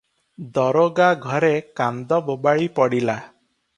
ଦରୋଗା ଘରେ କାନ୍ଦ ବୋବାଳି ପଡ଼ିଲା ।